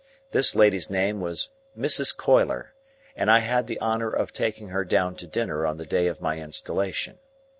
This lady's name was Mrs. Coiler, and I had the honour of taking her down to dinner on the day of my installation.